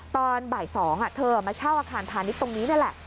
ตอนบ่าย๒เธอมาเช่าอาคารพาณิชย์ตรงนี้นี่แหละ